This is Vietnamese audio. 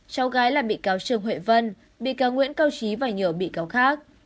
cháu gái là bị cáo trương huệ vân bị cáo nguyễn cao trí và nhiều bị cáo khác